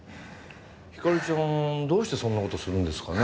ひかりちゃんどうしてそんなことするんですかね？